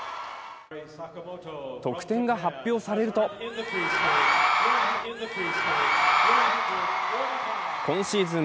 得点が発表されると今シーズン